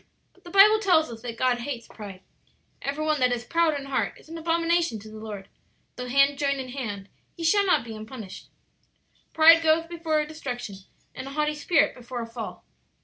"But the Bible tells us that God hates pride. 'Every one that is proud in heart is an abomination to the Lord; though hand join in hand, he shall not be unpunished.' "'Pride goeth before destruction, and a haughty spirit before a fall.'